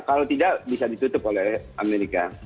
kalau tidak bisa ditutup oleh amerika